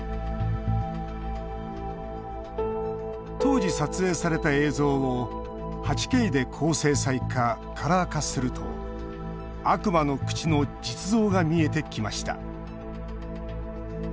当時、撮影された映像を８Ｋで高精細化、カラー化すると悪魔の口の実像が見えてきました。